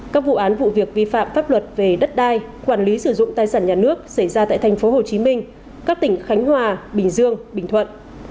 các vụ án vụ việc vi phạm pháp luật về đất đai quản lý sử dụng tài sản nhà nước xảy ra tại tp hcm các tỉnh khánh hòa bình dương bình thuận